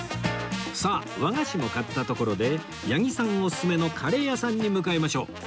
さあ和菓子も買ったところで八木さんおすすめのカレー屋さんに向かいましょう